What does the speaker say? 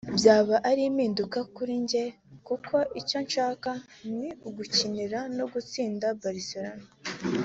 byaba ari impinduka kuri njye kuko icyo nshaka ni ugukinira no gutsindira Barcelona